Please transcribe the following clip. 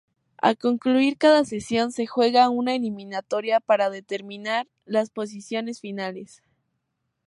Al concluir cada sesión, se juega una eliminatoria para determinar las posiciones finales.